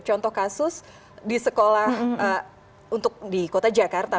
contoh kasus di sekolah untuk di kota jakarta